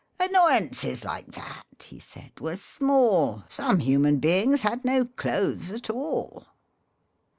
" Annoyances like that," he said, " were small Some human beings had no clothes at all."